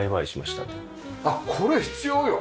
あっこれ必要よ！